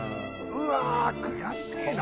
うわ悔しいな。